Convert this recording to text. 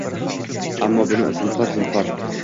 Ammo buni zinhor-zinhor